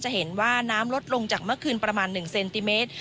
เห็นว่าน้ำลดลงจากเมื่อคืนประมาณ๑เซนติเมตร